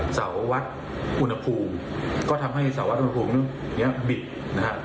เสาวัดอุณหภูมิก็ทำให้เสาวัดอุณหภูมิเนี้ยบิดนะฮะ